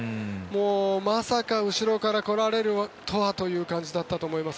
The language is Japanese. まさか後ろから来られるとはといった感じだったと思います。